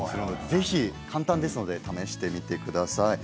ぜひ簡単ですので試してみてください。